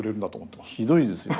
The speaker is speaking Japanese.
ひどいですよね。